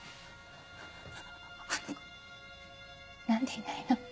なんでいないの？